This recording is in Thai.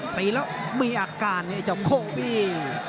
ตีแล้วมีอาการไอ้เจ้าโคบี้